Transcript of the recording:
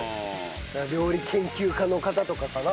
料理研究家の方とかかな。